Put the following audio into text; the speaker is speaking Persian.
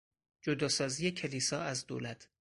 جدا سازی کلیسا از دولت